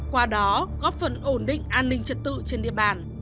qua đó góp phần ổn định an ninh trật tự trên địa bàn